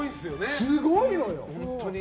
すごいのよ。